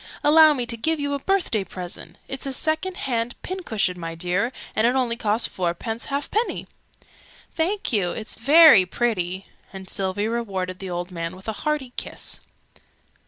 "Allow me to give you a birthday present. It's a second hand pincushion, my dear. And it only cost fourpence halfpenny!" "Thank you, it's very pretty!" And Sylvie rewarded the old man with a hearty kiss.